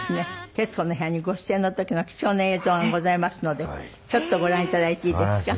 『徹子の部屋』にご出演の時の貴重な映像がございますのでちょっとご覧いただいていいですか？